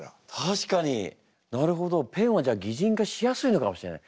なるほどペンはじゃあ擬人化しやすいのかもしれない。